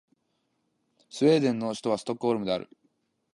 スウェーデンの首都はストックホルムである